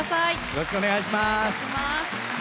よろしくお願いします。